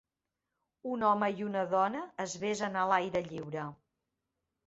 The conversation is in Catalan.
Un home i una dona es besen a l'aire lliure.